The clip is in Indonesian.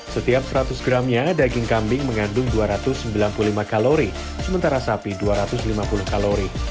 setiap seratus gramnya daging kambing mengandung dua ratus sembilan puluh lima kalori sementara sapi dua ratus lima puluh kalori